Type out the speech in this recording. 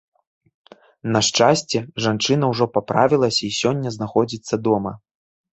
На шчасце, жанчына ўжо паправілася і сёння знаходзіцца дома.